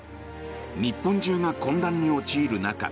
日本中が混乱に陥る中